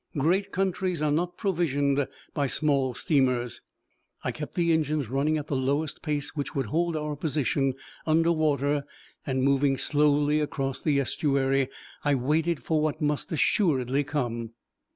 Great countries are not provisioned by small steamers. I kept the engines running at the lowest pace which would hold our position under water, and, moving slowly across the estuary, I waited for what must assuredly come.